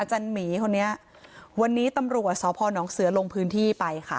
อาจารย์หมีคนนี้วันนี้ตำรัวสพหนองเสือลงพื้นที่ไปค่ะ